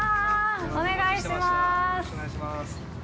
お願いします。